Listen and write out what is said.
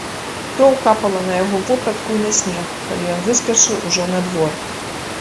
Кроў капала на яго вопратку і на снег, калі ён выскачыў ужо на двор.